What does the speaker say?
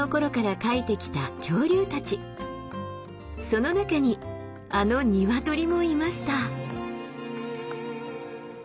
その中にあのニワトリもいました。